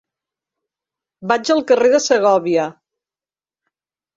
Vaig al carrer de Segòvia.